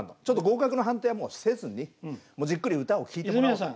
ちょっと合格の判定はもうせずにじっくり歌を聴いてもらおう。